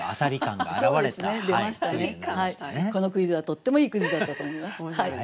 このクイズはとってもいいクイズだったと思います。